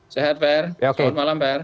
sehat per selamat malam per